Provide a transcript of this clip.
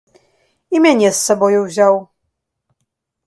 І мяне з сабою ўзяў.